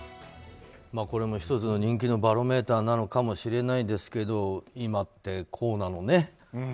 これも１つの人気のバロメーターなのかもしれないですけど今ってこうなのね。